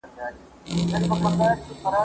هغه څوک چي مېوې وچوي قوي وي!